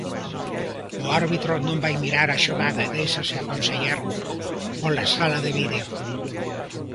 O árbitro non vai mirar a xogada e deixase aconsellar pola sala de vídeo.